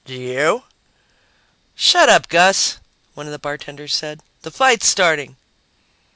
"Do you?" "Shut up, Gus," one of the bartenders said. "The fight's starting."